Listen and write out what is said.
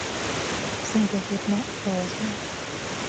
Sega did not fare as well.